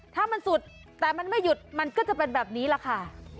ถ้ามันสุดแต่มันไม่หยุดมันก็จะเป็นแบบนี้แหละค่ะ